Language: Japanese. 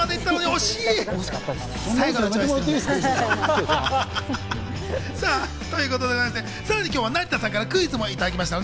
惜しかったです。ということで、今日は成田さんからクイズもいただきました。